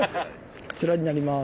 こちらになります。